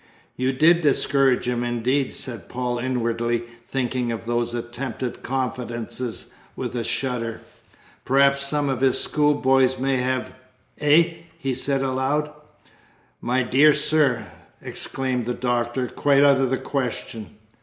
"You did discourage him, indeed!" said Paul inwardly, thinking of those attempted confidences with a shudder. "Perhaps some of his schoolfellows may have eh?" he said aloud. "My dear sir," exclaimed the Doctor, "quite out of the question!"